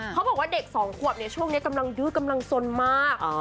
เขาบอกว่าเด็กสองขวบเนี่ยช่วงนี้กำลังดื้อกำลังสนมาก